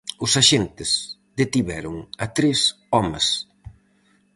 Os axentes detiveron a tres homes.